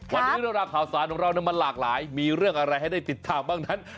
วันนี้เรื่องราวข่าวสารของเรามันหลากหลายมีเรื่องอะไรให้ได้ติดตามบ้างนั้น